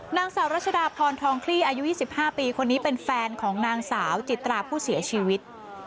นางสาวรัชดาพรทองคลี่อายุ๒๕ปีคนนี้เป็นแฟนของนางสาวจิตราผู้เสียชีวิต